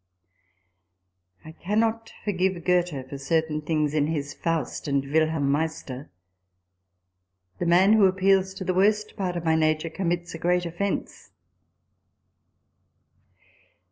f I cannot forgive Goethe for certain things in his "Faust" and " Wilhelm Meister": the man who appeals to the worst part of my nature commits a great offence.